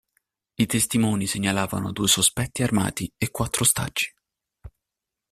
I testimoni segnalavano due sospetti armati e quattro ostaggi.